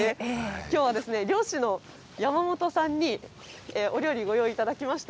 きょうは、漁師の山本さんにお料理、ご用意いただきました。